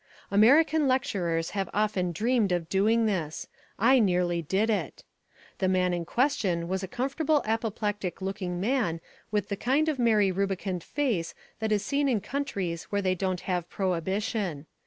American lecturers have often dreamed of doing this. I nearly did it. The man in question was a comfortable apoplectic looking man with the kind of merry rubicund face that is seen in countries where they don't have prohibition.